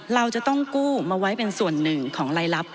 เราจะต้องกู้มาไว้เป็นส่วนหนึ่งของรายลับ